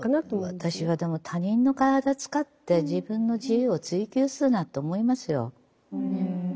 私はでも他人の体使って自分の自由を追求するなと思いますよ。